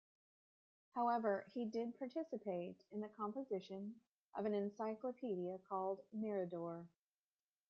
However, he did participate in the composition of an encyclopedia called "Mirador".